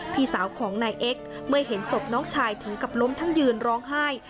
พี่สาวของนายเอ็กซ์เมื่อเห็นศพน้องชายถึงกับล้มทั้งยืนร้องไห้